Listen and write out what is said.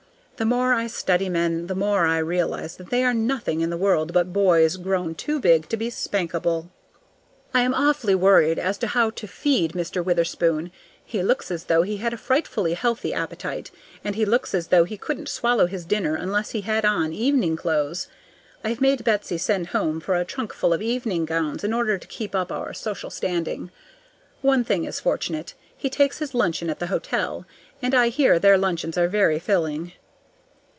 The more I study men, the more I realize that they are nothing in the world but boys grown too big to be spankable. I am awfully worried as to how to feed Mr. Witherspoon. He looks as though he had a frightfully healthy appetite, and he looks as though he couldn't swallow his dinner unless he had on evening clothes. I've made Betsy send home for a trunkful of evening gowns in order to keep up our social standing. One thing is fortunate: he takes his luncheon at the hotel, and I hear their luncheons are very filling.